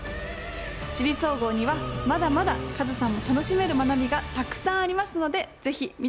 「地理総合」にはまだまだカズさんも楽しめる学びがたくさんありますので是非見てください。